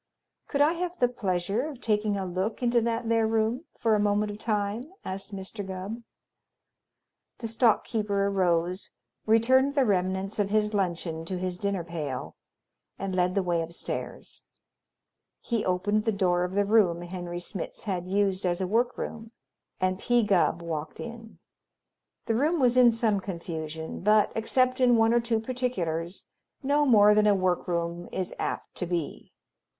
"Could I have the pleasure of taking a look into that there room for a moment of time?" asked Mr. Gubb. The stock keeper arose, returned the remnants of his luncheon to his dinner pail and led the way up the stairs. He opened the door of the room Henry Smitz had used as a work room, and P. Gubb walked in. The room was in some confusion, but, except in one or two particulars, no more than a work room is apt to be.